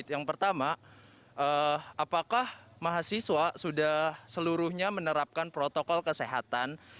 yang pertama apakah mahasiswa sudah seluruhnya menerapkan protokol kesehatan